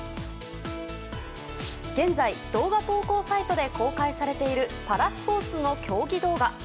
現在、動画投稿サイトで公開されているパラスポーツの競技動画。